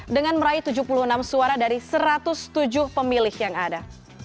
dengan meraih tujuh puluh enam suara dari satu ratus tujuh pemilih yang ada